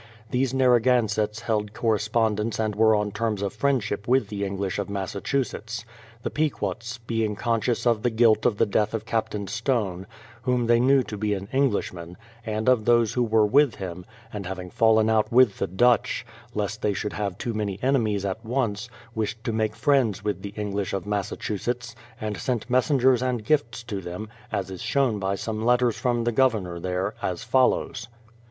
These Narragansetts held correspondence and were on terms of friendship with the English of Massachusetts. The Pequots, being con scious of the guilt of the death of Captain Stone, whom they knew to be an Englishman, and of those who were with him, and having fallen out with the Dutch, lest they should have too many enemies at once, wished to make friends with the English of Massachusetts, and sent mes sengers and gifts to them, as is shown by some letters from the Governor there, as follows.